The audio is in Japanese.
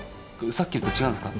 さっきのとは違うんですか？